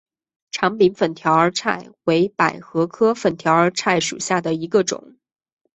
长柄粉条儿菜为百合科粉条儿菜属下的一个种。